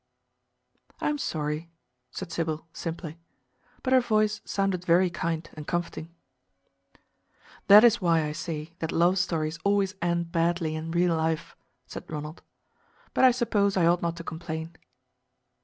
"I am sorry," said Sybil simply. But her voice sounded very kind and comforting. "That is why I say that love stories always end badly in real life," said Ronald. "But I suppose I ought not to complain."